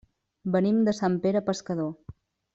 Venim de Sant Pere Pescador.